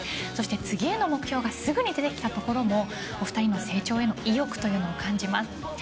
そして次への目標がすぐにできたところもお二人の成長への意欲というのを感じます。